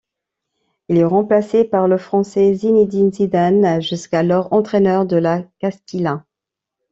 Il est remplacé par le Français Zinedine Zidane, jusqu'alors entraîneur de la Castilla.